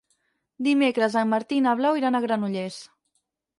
Dimecres en Martí i na Blau iran a Granollers.